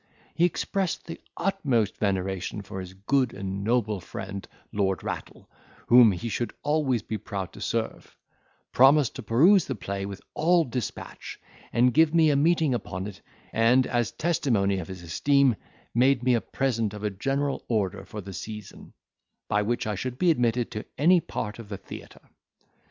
He expressed the utmost veneration for his good and noble friend, Lord Rattle, whom he should always be proud to serve; promised to peruse the play with all dispatch, and give me a meeting upon it: and, as a testimony of his esteem, made me a present of a general order for the season, by which I should be admitted to any part of the theatre.